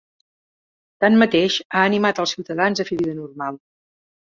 Tanmateix, ha animat els ciutadans a fer vida normal.